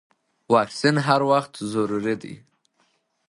واکسین هر وخت ضروري دی.